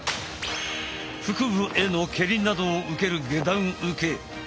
腹部への蹴りなどを受ける下段受け。